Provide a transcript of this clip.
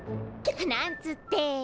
なんつって。